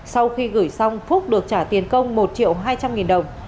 sau khi gửi xong phúc được trả tiền công một triệu hai trăm linh nghìn đồng